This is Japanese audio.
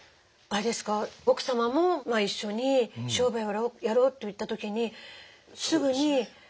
あれですか奥様も一緒に商売をやろうと言った時にすぐにＯＫだったんですか？